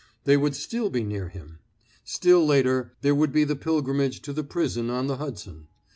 They would still be near him. Still later there would be the pilgrimage to the prison on the Hudson.